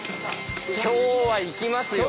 今日はいきますよ